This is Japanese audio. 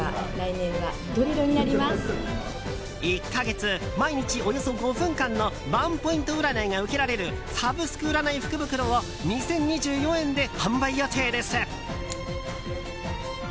１か月、毎日およそ５分間のワンポイント占いが受けられるサブスク占い福袋を２０２４円で販売予定です。